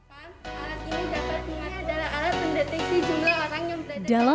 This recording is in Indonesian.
alat ini dapat dihidupkan adalah alat mendeteksi jumlah orang yang berada di dalam